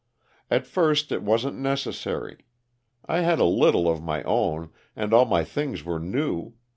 "At first it wasn't necessary; I had a little of my own, and all my things were new.